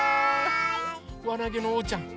わなげのおうちゃん！